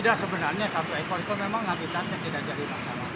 tidak sebenarnya satu ekor itu memang habitatnya tidak jadi masalah